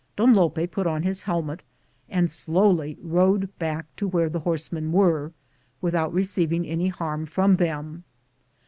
Don Lope put on his helmet and slowly rode back to where the horsemen were, without receiv ing any harm from them.